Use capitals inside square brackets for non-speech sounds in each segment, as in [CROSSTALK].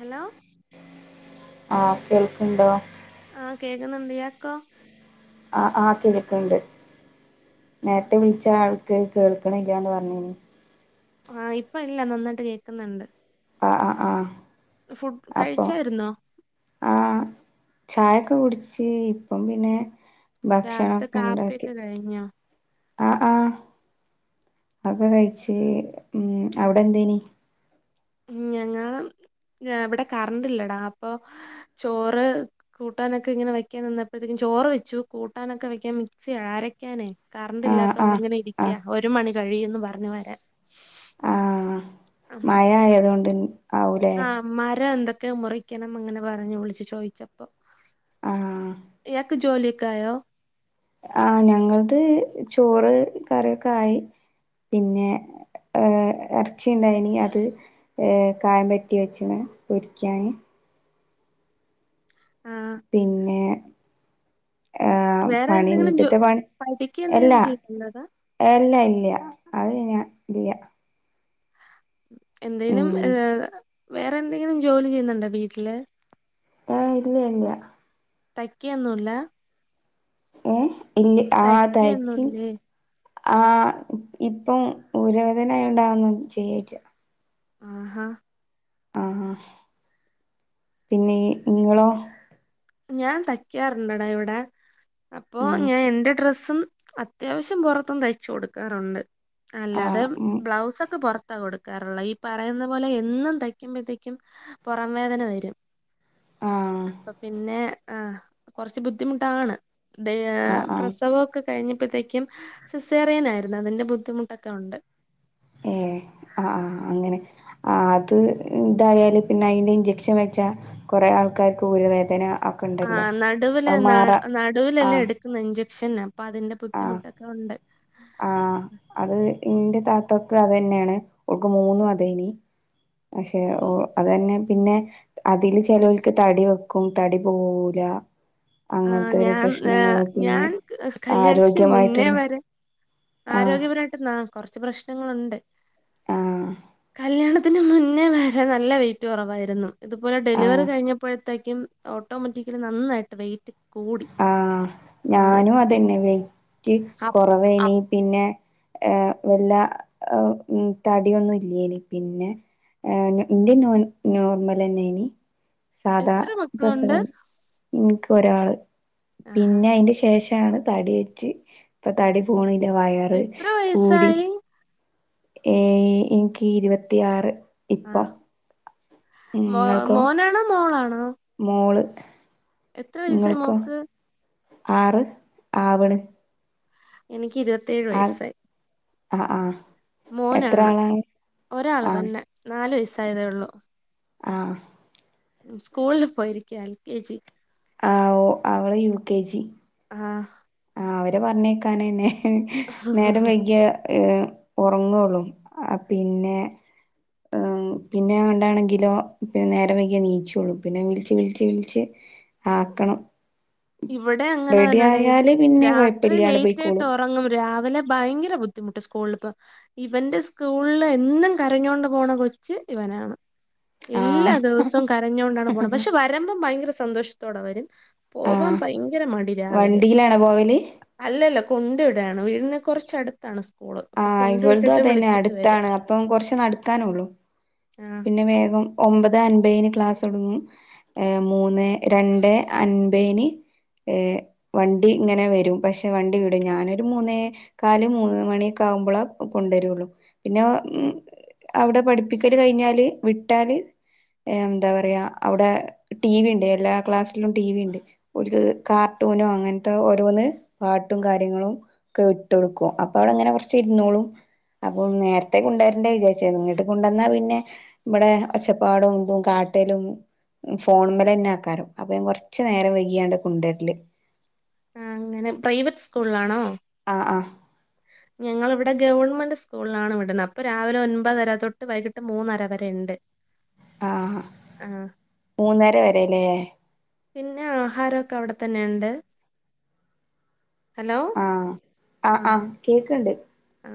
Hello ആഹ് കേൾക്ക്ണ്ടോ ആഹ് കേക്കുന്നുണ്ട് ഇയക്കോ ആ ആ കേക്ക്ണ്ട് ആഹ് നേരത്തെ വിളിച്ച ആൾ കേൾക്കണിലാന്ന് പറഞ്ഞിനി ആഹ ഇപ്പ ഇല്ല നന്നായിട്ട് കേക്കുന്നുണ്ട് ആ ആ ആഹ ഫുഡ് അപ്പൊ കഴിച്ചായിരുന്നോ ആഹ ചായൊക്കെ കുടിച്ച് അപ്പം പിന്നെ ഭക്ഷണം രാവിലത്തെ ഒക്കെ ഉണ്ടാക്കി കാപ്പിയൊക്കെ കഴിഞ്ഞോ ആ ആഹ അതൊക്കെ കഴിച്ച് ഉം അവിടെ എന്തേനി ഞങ്ങൾ ഇവിടെ കറണ്ട് ഇല്ലടാ അപ്പൊ ചോറ് കൂട്ടാനൊക്കെ ഇങ്ങനെ വയ്ക്കാ നിന്നപ്പോഴത്തേക്കും ചോറ് വെച്ചു കൂട്ടാനൊക്കെ വെക്ക മിക്സി അരക്കാനേ കറണ്ട് ആഹ് ഇല്ലാത്ത കൊണ്ട ആഹ് ഇങ്ങനെ ഇരിക്കാ ആഹ് ഒരു മണി കഴി ഴിയൊന്ന് പറഞ്ഞു വരാ മയ ആയതുകൊണ്ട് ആവൂലേ ആ മരം എന്തൊക്കെ മുറിക്കണം അങ്ങനെ പറഞ്ഞു വിളിച്ചു ചോദിച്ചപ്പൊ ആഹ് ഇയാക്ക് ജോലിഒകെ ആയോ ഞങ്ങത് ചോറ് കറീ ഒക്കെ ആയി പിന്നെ ഏ ഇറച്ചിയുണ്ടായിനി അത് കായം പറ്റി വെച്ച് പൊരിക്കാന് ആഹ് പിന്നെ ആ വേറെ പണി എന്തെങ്കിലും ജോ വീട്ടത്തെ പണി പഠിക്ക എന്തെങ്കിലും എല്ലാ ചെയ്യുന്നുണ്ടതാ എല്ല ഇല്ല അത് ഞാ ഇല്ലാ എന്തേലും ഏ വേറെ എന്തെങ്കിലും ജോലി ചെയ്യുന്നുണ്ടോ വീട്ടില് ആ ഇല്ല ഇല്ല തൈക്കിയൊന്നുംല്ല ഏ ഇല്ല ആ തയ്ച്ച് തയ്ക്കൊന്നുല്ലേ ആ ഇപ്പം ഊര വേദന ആയോണ്ട് അതൊന്നും ചെയ്യലില്ല ആ ഹാ ആ പിന്നെ ഇങ്ങളോ ഞാൻ തയ്ക്കാറുണ്ടടാ ഇവിടെ അപ്പോ ഉം ഞാൻ എന്റെ ഡ്രസ്സും അത്യാവശ്യം പുറത്തും തയ്ച്ചു കൊടുക്കാറുണ്ട് അല്ല അത് ആഹ് ഉം ബ്ലൗസ് ഒക്കെ പുറ താ കൊടുക്കാറുള്ള ഈ പറയുന്ന പോലെ എന്നും തയ്ക്കുമ്പോതേക്കും പുറം വേദന വരും ആഹ് അപ്പം യ ആ കുറച്ച് ബുദ്ധിമുട്ടാണ് ദേ ആഹ് ആഹ് പ്രസവൊക്കെ കഴിഞ്ഞപ്പോഴത്തേക്കും സിസേറിയനായിരുന്നു അതിന്റെ ബുദ്ധിമുട്ടൊക്കെ ഉണ്ട് ഏ ആ ആ അങ്ങനെ അത് തായാൽ പിന്നെ അയ്ന്ന് ഇഞ്ചക്ഷൻ വെച്ചാ കൊറേ ആൾക്കാര്ക്ക് ഊരവേദന ഒക്കെ ആ ഉണ്ടല്ലോ നടുവില് അത് ന മാറാ ആ നടുവിലല്ലേ എട്ക്ക്ന്നെ ഇഞ്ചക്ഷന്ന് അപ്പൊ അതിന്റെ ആ ബുദ്ധിമുട്ടൊക്കെ ഒണ്ട് ആ അത് ഇന്റെ താത്താക്കും അതന്നേണ് ഓൾക്ക് മൂന്നും അതേനി പക്ഷെ ഓ ഉം അതന്നെ പിന്നെ അതില് ചെലാേൽക്ക് തടി വെക്കും തടി പോവൂല ആഹ് അങ്ങൻത്താേരാേ ഞാൻ ഏഹ് പ്രശ്നങ്ങള് പിന്നെ ഞാൻ ക- ആരോഗ്യമായിട്ട്ള്ള ആരോഗ്യപരമായിട്ട്ന്നാ കൊർച്ച് പ്രശ്നങ്ങളുണ്ട് ആ കല്യാണത്തിന് മുന്നേ വരെ നല്ല വെയിറ്റ് കൊറവായിര്ന്നു ഇതുപോലെ ഡെലിവറി ആ കഴിഞ്ഞപ്പഴെ ത്തേക്കും ഓട്ടോമാറ്റിക്കലി നന്നായിട്ട് വെയിറ്റ് കൂടി. ആ ആഹ് ഞാനും അതന്നെ വെയ്റ്റ് അപ് കൊറവേനി അപ് പിന്നെ ഏ വല്ലാ തടിയൊന്നും ഇല്ലേനി പിന്നെ ഏ ഇന്റെ നോ നോർമലെന്നേനി സാദാ എത്ര മക്കളുണ്ട്? പ്രസവൻ ഇൻക്ക് ഒരാള് ആഹാ പിന്നെ അയ്ൻ്റെ ശേഷാണ് തടി വെച്ച് ഇപ്പൊ തടി പോണ് ന്നെ വയറ് എത്ര കൂടി വയസ്സായി? ഏ ഇൻക്ക് ഇരുപത്തിയാറ് ഇപ്പം ആഹ് ഉം മോ ഇങ്ങൾക്കോ മോനാണോ മോളാണോ മോള് എത്ര വയസായി ഇങ്ങൾക്കോ മോക്ക് ആറ് ആവണ് എനിക്ക് ഇരുപത്തേഴ് വയസ്സായി അ ആ എത്ര മോനാണ് ആളാണ് ഒരാളെ ആ തന്നെ നാലു വയസ്സായതേ ഉള്ളൂ ആ സ്കൂളില് പോയിരിക്ക എൽകെജി ആ ഓ അവള് യുകെജി ആഹ് അവരെ പർഞ്ഞയ്ക്കാനന്നെ ഹ് നേരം വെയ്ക്യ ഏ ഒറങ്ങോള്ളൂ ആ പിന്നെ ആ പിന്നെ ആണ്ടാണെങ്കിലോ നേരം വെയ്ക്യേ നീച്ചോളു പിന്നെ വിള്ച്ച് വിള്ച്ച് വിള്ച്ച് ആക്കണം ഇവ്ടെ റെഡി അങ്ങനതന്നെടെയ് ആയാല് പിന്നെ രാത്രി കൊഴപ്പില്ലാണ്ട് ലെയ്റ്റായിട്ട് പോയിക്കോളും ഒറങ്ങും രാവിലെ ഭയ്ങ്കര ബുദ്ധിമുട്ട് സ്കൂള്പ്പ ഇവന്റെ സ്കൂള്ള് എന്നും കരഞ്ഞാേണ്ട് പോവ്ണ കൊച്ച് ഇവനാണ് ആ എല്ല ദെവസവും കരഞ്ഞാേണ്ടാണ് പോണെ പക്ഷെ വരമ്പം ഭയങ്കര സന്തോഷത്തോടെ വരും ആ പോവാൻ ഭയങ്കര മടി രാവിലെ വണ്ടിയിലാണോ പോവല് അല്ലല്ല കൊണ്ട് വിടാ വീടിന് കുറച്ച്ടുത്താണ് സ് ആ ഇവൾതും അതെന്നെ അട്ത്താണ് അപ്പം കൊർച്ച് നടക്കാനോള്ളു ആ പിന്നെ വേഗം ഒമ്പതെ അൻമ്പേന് ക്ലാസോടുങ്ങും ഏ മൂന്നെ രണ്ടെ അൻമ്പേന് ഏ വണ്ടിങ്ങനെ വെരും പക്ഷെ വണ്ടി വിടും ഞാനൊരു മൂന്നേ കാല് മൂന്ന് മണ്യാെക്കെ ആവുമ്പള കൊണ്ടെരൊള്ളു പിന്നാ മ് അവ്ടെ പട്പ്പിക്ക കയ്ഞ്ഞാല് വിട്ടാല് എന്താ പറയാ അവിടെ ടീവിണ്ട് എല്ലാ ക്ലാസ്സിലും ടീവിണ്ട് ഒര്ക് കാ ട്ടൂനോ അങ്ങൻത്തെ ഓരോന്ന് പാട്ടും കാര്യങ്ങളുംക്കെ ട്ടാെട്ക്കും അപ്പൊ അവ്ടെങ്ങനെ കൊർച്ചെ ഇര്ന്നോളും അപ്പൊ നേരത്തെ കുണ്ടെര്ണ്ടേ വിചാര്ചാര്ന്നു ങ്ങട്ട് കുണ്ടന്നാ പി ന്നെ ഇന്ടെ ഒച്ചപ്പാടും തും കാട്ടലും ഫോൺമലെന്നാക്കാരം അപ്പ ഞാൻ കൊർച്ച് നേരം വൈകിയാണ്ട് കുണ്ടെര്ല് ആ അങ്ങനെ പ്രൈവറ്റ് സ്കൂൾളാണോ ആഹ് ആഹ് ഞങ്ങള് വ് ടെ ഗവൺമെന്റ് സ്കൂൾളാണ് വിട്ണെ അപ്പൊ രാവിലെ ഒൻപതര തൊട്ട് വൈകിട്ട് മൂന്നര വരെ ഇണ്ട് ആഹ മൂന്നര വരെലെ? പിന്നെ ആഹാരോക്കെ അവ്ടെ തന്നെണ്ട്.? ആഹ് ആ ആ കേക്കണ്ട്. ആ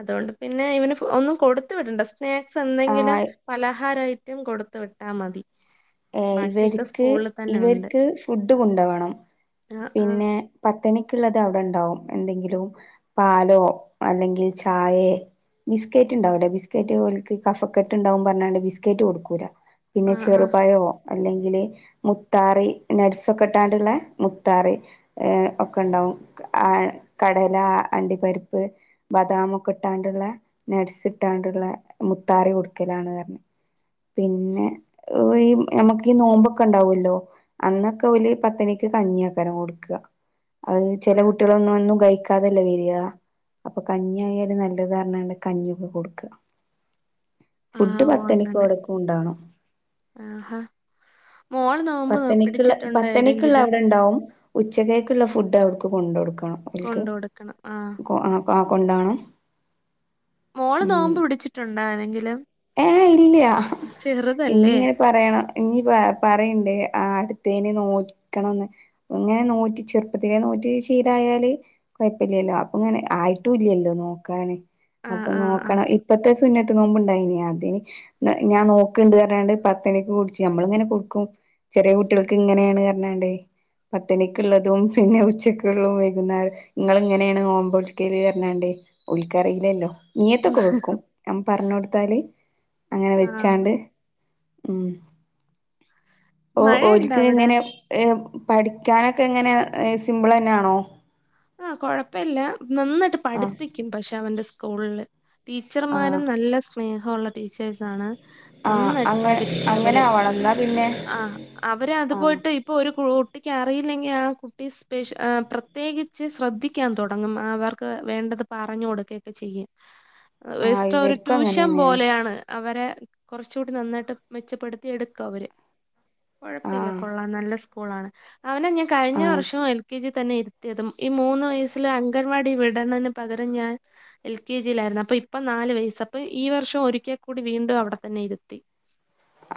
അതൊണ്ട് പിന്നെ ഇവന് ഫു ഒന്നും കൊടുത്ത വിടണ്ട സ് സ്നാക്സ് എന്തെങ്കിലും ആഹ് പലഹാര ഐറ്റം കൊടുത്ത് വിട്ടാ മതി. ഏ ബാക്കിയൊക്കെ ഇവെര്ക് സ്കൂളിൽ തന്നെ ഉണ്ട് ഇവെര്ക്ക് ഫുഡ് കൊണ്ടവണം ആഹ് ആഹ് പിന്നെ പ [UNINTELLIGIBLE] ള്ളത് അവ്ടെ ണ്ടാവും എന്തെങ്കിലും പാലോ അല്ലെങ്കി ചായെ ബിസ്ക്കറ്റ് ണ്ടാവൂല ബിസ്ക്കറ്റ് ഓല്ക് കഫക്കെട്ട് ണ്ടാവും പർണാണ്ട് ബിസ്ക്കറ്റ് കൊടുക്കൂല. ആ പിന്നെ ആഹ് ചെറുപഴോ അല്ലെങ്കില് മുത്താറി നട്സൊക്കെ ഇട്ടാണ്ട്ള്ളെ മുത്താറി ഏ ഒക്കെ ണ്ടവും ആ എ കടല അണ്ടി പരിപ്പ് ബദാമൊക്കെ ട്ടാണ്ട്ള്ള ന സ് ട്ടാണ്ട്ള്ളെ മുത്താറി കൊടുക്കലാണ് അർണ് പിന്നെ ഈ ഞമ്മക്ക് ഈ നോമ്പൊക്കെ ണ്ടാവല്ലോ അന്നൊക്കെ ഓല് പത്തണിക്ക് കഞ്ഞിയാക്കരം കുടിക്ക. [INAUDIBLE] അയ്ന് ചെല ആഹ് കുട്ടികളൊന്നു അന്നു കൈ കതല്ലേ വെരിയ അപ്പൊ കഞ്ഞി ആയാല് നല്ലത് ർണണ്ട് കഞ്ഞിക്കെ കൊടുക്ക. ഫുഡ് പത്തണിക്കോടെ കുണ്ടാണം. ആ ഹാ. പത്തണിക്ക്ള്ള പത്തണിക്ള്ള അവ്ടെ ണ്ടാവും ഉച്ചകെക്ക്ള്ള ഫുഡ് അവട്ക്ക് കൊണ്ട്ടുക്കണം. ഓൽക് കൊണ്ട് കൊടുക്കണം ആഹ് കൊ അ ആ കൊണ്ടവണം മോള് നോമ്പ് പിടിച്ചിട്ടുണ്ടായ്നെങ്കിൽ ഏഹ് ഇല്ല്യ ഇനി ചെറുതല്ലേ ഇങ്ങനെ പറയണം ഇനി പറയണ്ടേ ആട് തേനെ നോക്കണന്ന്. ഇങ്ങനെ നോറ്റി ചെറുപ്പത്തിലെ നോറ്റി ശീലായാല് കൊയപ്പല്യല്ലോ അപ്പൊ ഇങ്ങനെ ആയിട്ടു ല്ല്യല്ലോ. നോക്കന് ആഹ് അപ്പൊ ആഹ് ആഹ് നോക്കണ ഇപ്പത്തെ സുന്നത്ത് നോമ്പ് ണ്ടായിന്യ? അത ഞാൻ നോക്കണ്ട് പറഞ്ഞാണ്ട് പത്തണക്ക് കുടിച്ചു നമ്മള ഇങ്ങനെ കൊടുക്കും ചെറിയ കുട്ടികൾക്ക് ഇങ്ങനെയാണ് കഞ്ഞാണ്ട്േ പത്തനിക്കുള്ളതും പിന്നെ ഉച്ചക്കുള്ളതും വൈകുന്നേ നിങ്ങൾ ഇങ്ങനെയാണ് ഓമ്പോൾക്കൽ എണാണ്ടേ ഉളിക്കറിയില്ലല്ലോ ഉം നീയത്തൊക്കെ വെക്കും ഞൻ പറഞ്ഞ കൊടുത്താല് അങ്ങനെ ആഹ് വെച്ചാണ്ട് ഉ ഓ മഴയുണ്ടോ ഓലക്ക് അവിടെ എങ്ങനെ ഏ പഠിക്കാനൊക്കെ എങ്ങനെ സിമ്പിൾ തന്നെയാണോ ആ കൊഴപ്പില്ല നന്നായിട്ട് ആഹ് പഠിപ്പിക്കും പക്ഷെ അവന്റെ സ്കൂളില് ആഹ് ടീച്ചർമാരും നല്ല സ്നേഹമ ഉുള്ള ടീച്ചേഴ്സ ആണ് ആഹ് നന്നായിട്ട് അങ്ങ പഠിപ്പിക്കും അങ്ങനെ അവര് ആവണം ന്നാ പിന്നെ ആ അവരെ അത് ആഹ് പോയിട്ട് ഇപ്പൊ ഒരു കുട്ടി അറിയില്ലെങ്കിൽ ആ കുട്ടി സ്പെ്യ പ്രത്യേകി പച്ച് ശ്രദ്ധിക്കാൻ തുടങ്ങും അവർക്ക് വേണ്ടത് പറഞ്ഞു കൊടുക്കുകൊക്കെ ചെയ്യും ആഹ് ഇഷ്ടം ഒരു ഇവർക്കും ട്യൂഷൻ അങ്ങനെന്നെയാണ് പോലെയാണ് അവരെ കുറച്ചുകൂടി നന്നായിട്ട് മെച്ചപ്പെടുത്തി എടുക്കും അവര് കുഴപ്പമില്ല ആഹ് കൊള്ളാൻ നല്ല സ്കൂളാണ് അവനെ ഞാൻ കഴിഞ്ഞ ആഹ് വർഷവും എൽ കെ ജി തന്നെ ഇരുത്തിയതും ഈ മൂന്ന് വയസ്സിില് അംഗൻവാടി വിടുന്നന് പകരം ഞാൻ എൽ കെ ജിയിലായിരുന്നു അപ്പൊ ഇപ്പൊ നാല് വയസ് പ്പ ഈ വർഷം ഒരിക്കൽ കൂടി വീണ്ടും അവിടെത്തന്നെ ഇരുത്തി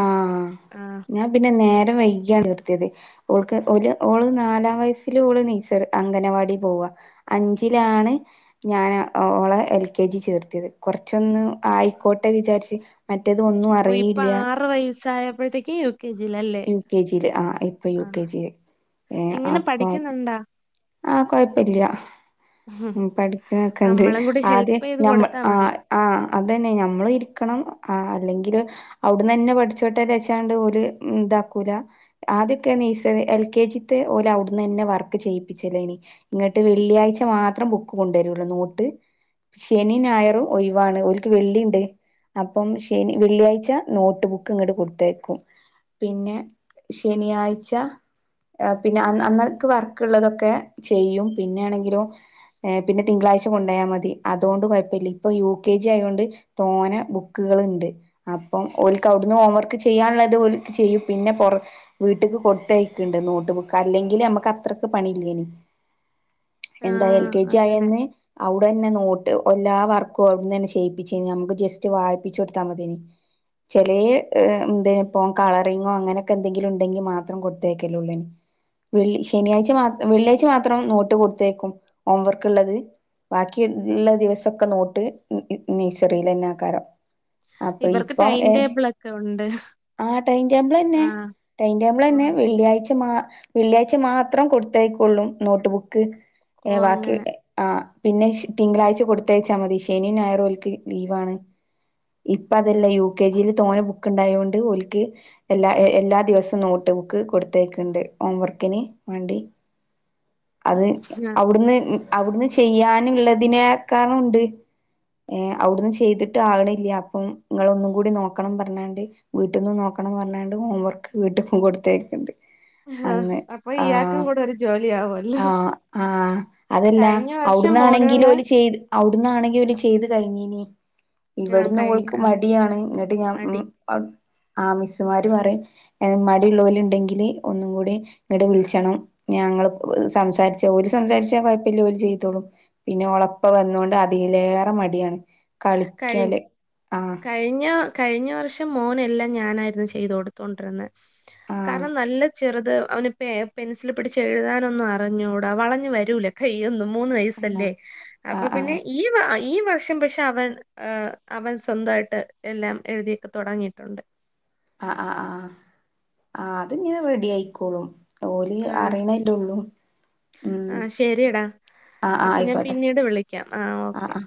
ആഹ ആ ഞാൻ പിന്നെ നേരെ വൈകിയാണ് നിർത്തിയത്ക്ക് ഒരു ഓള് നാലാം വയസ്സില ഓള് നീച്ച അങ്കനവാടി പോവാ അഞ്ചിലാണ് ഞൻ ഓ എൽ കെ ജി ചേർത്തിയത് കൊറച്ച ഹൈക്കോട്ടെ വിചാരിച്ച് മറ്റേത് ഒന്നും ഓ ഇപ്പൊ അറിയിയില്ല ആറ് വയസ്സായപ്പോഴത്തേക്ക് യു കെ ജിയിലല്ലേ യു കെ ജിയിലെ ആ ഇപ്പൊ ആ യു കെ ജിയില ഏ എങ്ങനെ അപ്പം പഠിക്കുന്നുണ്ടാ ആഹ കൊഴപ്പില്ല ഹം ഉ പഠിക്കണൊക്കെണ്ട് ചെയ്ത് ആദ്യമ്മ കൊടുത്താ ആ മതി ആ അതന്നെ നഞമ്മൾ ഇരിക്കണം ആ അല്ലെങ്കില് അവിടന്ന് തന്നെ പഠിച്ചോട്ടേ വച്ചാണ്ട് ഒരു ഇതാക്കൂല ആതൊക്കെ ഈ എൽ കെ ജിത്തെ പോലെ അവിടുന്ന് തന്നെ വർക്ക് ചെയ്ും ിച്ചല്ലേ ഇനി ഇങ്ങോട്ട് വെള്ളിയാഴ് മാത്രം ബുക്ക് കൊണ്ടുവരുല്ലോ നോട്ട് ശനി ഞായറും ഒഴവാണ് ഒഓലക്ക് വെള്ളിയുണ്ട് അപ്പം ശനി വെള്ളിയാഴ്ച നോട്ട് ബുക്ക് ഇങ്ങോട്ട് കൊടുത്തേക്കും പിന്നെ ശനിയാഴ്ച പിന്നെ അന്നക്ക് വർക്കള്ളതൊക്കെ ഒക്കെ ചെയ്യും പിന്നെ ആണെങ്കിലും പിന്ന തിങ്കളാ്ച കൊണ്ടായാൽ മതി അതുകൊണ്ട് കുഴപ്പില്ല ഇപ്പൊ യു കെ ജി ആയതൊണ്ട് തോന്ന ബുക്ക് ചെയ വ ട്ടണ്ട് നോട്ട്ുക്ക് അല്ലെങ്കിൽ നമക്ക് അത്രക്ക് പണി ആ എന്താ എൽ കെ ജി അങ്ങനെ ആയിന്ന് അവിടെ തന്നെ നോട്ട് എല്ലാ വർക്കും അവിടന്ന് തന്നെ ചെയ്യിപ്പിച്ചേ നമുക്ക് ജസ്റ്റ് വായിപ്പിച്ചു കൊടുത്താൽ മതിേനി ചെില എന്ത ഇപ്പോം കളറിങ്ങോ അങ്ങനെയൊക്കെ എന്തെങ്കിലും ഉണ്ടെങ്കിൽ മാത്രം കൊടുത്തേക്കല്ലോള്ളേന് വെള്ളി ശനിയാഴ് മാ വെള്ളിയാഴ്ച മാത്രം നോട്ട് കൊടുത്തേക്കും ഹോംവർക്ക് ഉള്ളത് ബാക്കിള്ള ദിവസൊക്കെ നോട്ട് നൈസറിൽ തന്നെ ആക്കാരം അപ്പൊ ഇവർക്ക് ടൈം ടേബിള ഒക്കെ ഉണ്ട് ആ് ടൈം ടേബിൾ തന്നെ ആ ടൈം ടേബിൾ ഓ തന്നെ വെള്ളിയാഴ്ച മാ വെള്ളിയാഴ്ച മാത്രം കൊടുത്തായിക്കൊള്ളും നോട്ട് ബുക്ക് ഓ ബാക്കി അങ്ങനെ ആ പിന്നെ തിങ്കളാഴ്ച കൊടുത്തയച്ചാൽ മതി ശനിിയ നായറോൽക്ക് ലീവാണ് ഇപ്പ ആ അതല്ല യു കെ ജിയില് തോന്ന ബുക്ക് ഉണ്ടായതൊണ്ട് ഒലക്ക് എല്ലാ എല്ലാ ദിവസവും നോട്ട് ബുക്ക് കൊടുത്തേക്കുണ്ട് ഹോംവർക്ക് അക്കിനന് വണ്ടി ഉം. അത് ആ. അവിടുന്ന് അവിടുന്ന് ചെയ്യാനുള്ളതിനെക്കളുണ്ട് ഏ അവിടുന്ന് ചെയ്തിട്ട് ആകണില്ല അപ്പം നിങ്ങള ഒന്നും കൂടി നോക്കണം പറഞ്ഞാണ്ട് വീട്ടിൽന്നും നോക്ക പപ്പണം പറഞ്ഞാണ്ട് ഹോം വർക്ക് വീട്ടിൽും കൊടുത്തേക്കുണ്ട് ആഹ അപ്പൊ ഈയാക്കും കൂടെ ഒരു ജോലിയാവുമല്ലോ ആ ആഹ അതല്ല കഴിഞ്ഞ വർഷം മോനുള്ള അവിടന്നാണെങ്കിൽും ഓല ചെയ്ത് അവിടന്നാണെങ്കി വല ചെയ്തു കഴിഞ്ഞീന ആ ഇവിടുന്ന് കഴി ഉൾക്ക് ആ മടിയാണ് എന്നിട്ട് ഞാൻ മതി ഉ ആ മിസ്സുമാര് പറയും മടിയുള്ളവല ഉണ്ടെങ്കില് ഒന്നും കൂടി ഇങ്ങടെ വിളിച്ചണം ഞങ്ങള്ൾ സംസാരിച്ച ജഓലി സംസാരിച്ചാൽ കുഴപ്പമില്ല ജോലി ചെയ്തോളും പിന്നെ ഉളപ്പ വന്നൊണ്ട് അധ യിലേറെ മടിയാണ് കഴി കളിക്കാല് ആഹ കഴിഞ്ഞ കഴിഞ്ഞ വർഷം മോനെല്ലാം ഞാനായിരുന്നു ചെയ്ത കൊടുത്തുകൊണ്ടിരുന്നത് ആഹ് കാരണം നല്ല ചെറു ത് അവന് പെൻസിൽ പിടിച്ചച്ച് എഴുതാനൊന്നും അറിഞ്ഞൂടാ വളഞ്ഞഞ് വരൂല കൈയ്യൊന്നും മൂന്ന് ആഹ് വയസ്സല്ലേ അപ്പൊ ആഹ് ആഹ് പിന്നെ ഈ ഈ വർഷം പക്ഷെ പക്ഷെ അവൻ അവൻ സ്വന്തമായിട്ട് എല്ലാം എഴുതിയക്ക തുടങ്ങിയിട്ടുണ്ട് ആ് ആ് ആ ആ അത്ങ്ങനെ റെഡി ആയിക്കോളും ഓര് ആ അറിയണല്ലേ ഉള്ളൂ ആ ഉം ശരിടാ ആഹ് ആഹ് അപ്പൊ ഞാൻ ആയിക്കോട്ടെ പിന്നീട് വിളിക്കാം ആ ആഹ് ഓക്കെ ആഹ്